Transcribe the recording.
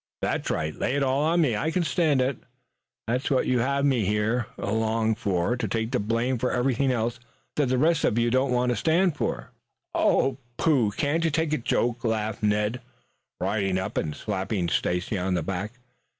"That's right, lay it all to me. I can stand it. That's what you have me along for to take the blame for everything else that the rest of you don't want to stand for." "Oh, pooh! Can't you take a joke?" laughed Ned, riding up and slapping Stacy on the back.